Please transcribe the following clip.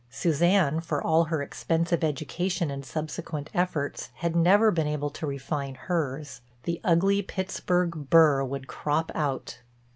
Suzanne, for all her expensive education and subsequent efforts, had never been able to refine hers; the ugly Pittsburg burr would crop out.